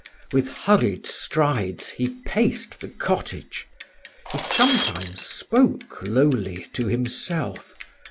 With hurried strides he paced the cottage. He sometimes spoke lowly to himself.